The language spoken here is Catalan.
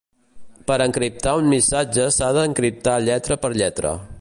Per encriptar un missatge s’ha d'encriptar lletra per lletra.